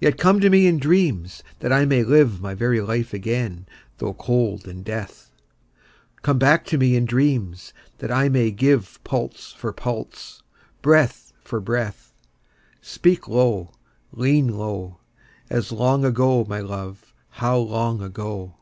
Yet come to me in dreams, that I may live My very life again though cold in death: Come back to me in dreams, that I may give Pulse for pulse, breath for breath: Speak low, lean low, As long ago, my love, how long ago!